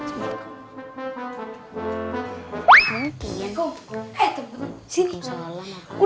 eh tunggu tunggu